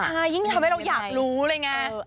ใช่ยิ่งทำให้เราอยากรู้เลยไง